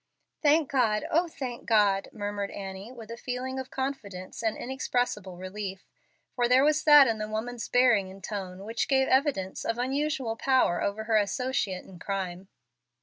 "Thank God, oh, thank God," murmured Annie, with a feeling of confidence and inexpressible relief, for there was that in the woman's bearing and tone which gave evidence of unusual power over her associate in crime.